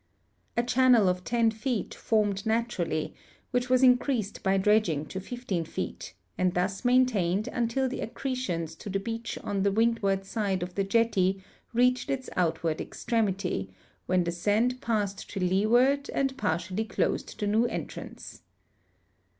A channel of 10 feet formed naturally, which was increased by dredging to 15 feet, and thus maintained until tin* accretions to the beach on the windward side of the jetty reaehed its outward extremity, when the sand ])assed to leeward and partially clos('(l the new entrance.